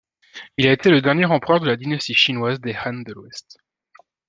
Il a été le dernier empereur de la dynastie chinoise des Han de l'Ouest.